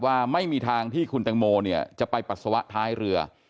ว่าไม่มีทางที่คุณแตงโมเนี่ยจะไปปัสสาวะท้ายเรือ